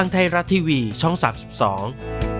จริง